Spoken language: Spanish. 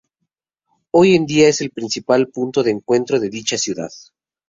Hoy en día es el principal punto de encuentro de dicha ciudad.